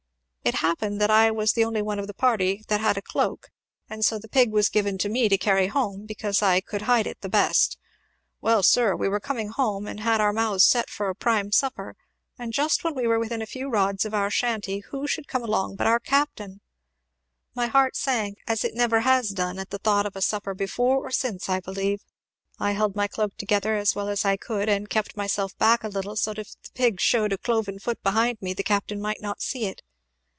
It happened that I was the only one of the party that had a cloak, and so the pig was given to me to carry home, because I could hide it the best. Well sir! we were coming home, and had set our mouths for a prime supper, when just as we were within a few rods of our shanty who should come along but our captain! My heart sank as it never has done at the thought of a supper before or since, I believe! I held my cloak together as well as I could, and kept myself back a little, so that if the pig shewed a cloven foot behind me, the captain might not see it.